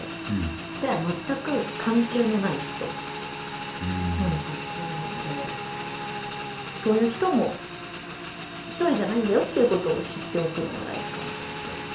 かたやまったく関係のない人なのかもしれないのでそういう人も一人じゃないんだよっていうことを知っておくのが大事かなと思います。